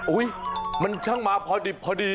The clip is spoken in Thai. อุ้ยมันช่างมาพอดี